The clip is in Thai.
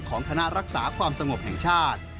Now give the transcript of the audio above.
ของคณะรักษาความสงบแห่งชาติ